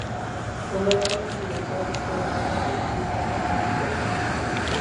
Fundador y director durante más de diez años de "Secuencias.